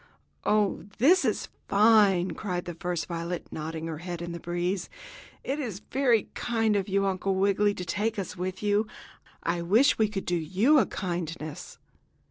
"Oh, this is fine!" cried the first violet, nodding her head in the breeze. "It is very kind of you, Uncle Wiggily to take us with you. I wish we could do you a kindness."